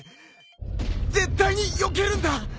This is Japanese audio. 絶対によけるんだ！